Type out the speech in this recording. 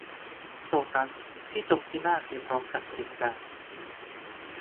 - โซตัส ที่จงพินาศไปพร้อมกับเผด็จการ